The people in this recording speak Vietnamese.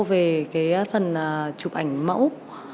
về cái phần chụp ảnh mẫu